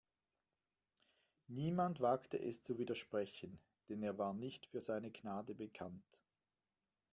Niemand wagte es zu widersprechen, denn er war nicht für seine Gnade bekannt.